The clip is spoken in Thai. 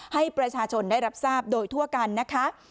ให้ประชาชนได้รับทราบโดยทั่วกันนะคะ